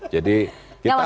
jadi kita akan